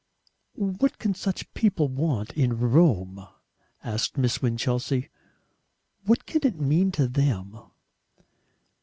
"What CAN such people want in Rome?" asked Miss Winchelsea. "What can it mean to them?"